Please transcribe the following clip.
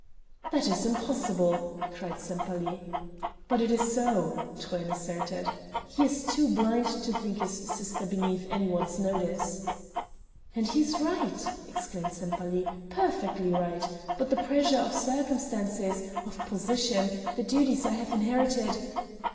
"That is impossible!" cried Sempaly. "But it is so," Truyn asserted. "He is too blind to think his sister beneath any one's notice." "And he is right!" exclaimed Sempaly, "perfectly right but the pressure of circumstances of position the duties I have inherited...."